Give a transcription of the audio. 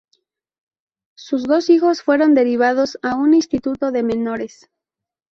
Sus dos hijos fueron derivados a un instituto de menores.